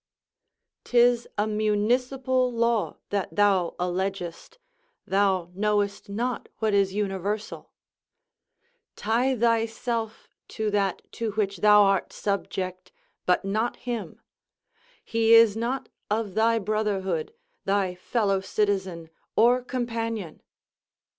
'Tis a municipal law that thou allegest, thou knowest not what is universal Tie thyself to that to which thou art subject, but not him; he is not of thy brotherhood, thy fellow citizen, or companion.